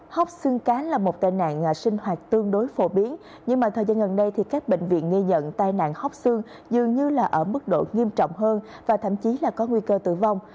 hốc xương cá là một tệ nạn sinh hoạt tương đối phổ biến nhưng mà thời gian gần đây thì các bệnh viện nghi nhận tai nạn hóc xương dường như là ở mức độ nghiêm trọng hơn và thậm chí là có nguy cơ tử vong